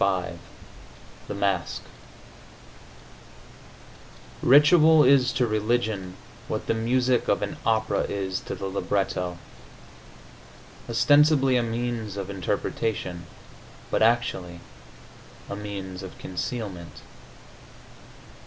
XLV THE MASK Ritual is to religion what the music of an opera is to the libretto: ostensibly a means of interpretation, but actually a means of concealment.